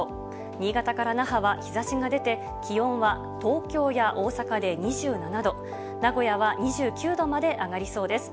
新潟から那覇は日差しが出て気温は東京や大阪で２７度名古屋は２９度まで上がりそうです。